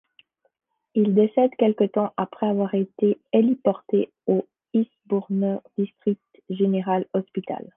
Il décède quelque temps après avoir été héliporté au Eastbourne District General Hospital.